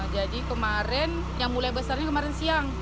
jadi kemarin yang mulai besarnya kemarin siang